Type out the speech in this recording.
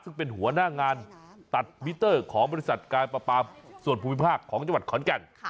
ซึ่งเป็นหัวหน้างานตัดมิเตอร์ของบริษัทการประปามส่วนภูมิภาคของจังหวัดขอนแก่น